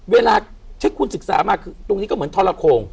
เวลาที่คุณศึกษามาคือตรงนี้ก็เหมือนทรโขง